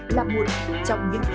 là một trong những cây cầu đặt ra